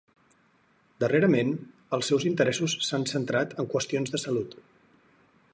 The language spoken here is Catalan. Darrerament, els seus interessos s'han centrat en qüestions de salut.